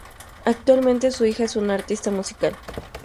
Actualmente su hija es una artista musical.